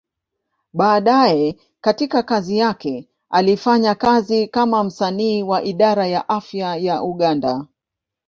Baadaye katika kazi yake, alifanya kazi kama msanii wa Idara ya Afya ya Uganda.